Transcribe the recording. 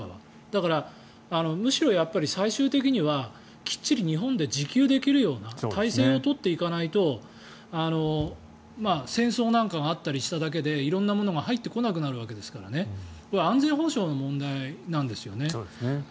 だから、むしろ最終的にはきっちり日本で自給できるような体制を取っていかないと戦争なんかがあったりしただけで色んなものが入ってこなくなるわけですから安全保障の問題なんですよね。